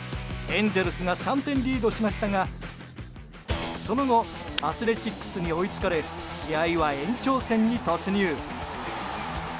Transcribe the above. エンゼルスが３点リードしましたがその後、アスレチックスに追いつかれ試合は延長戦に突入。